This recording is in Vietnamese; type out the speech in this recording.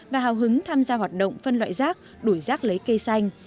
và hào hứng tham gia hoạt động phân loại rác đuổi rác lấy cây xanh